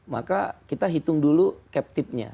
maka kita hitung dulu captive nya